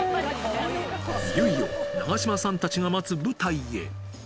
いよいよ、長島さんたちが待つ舞台へ。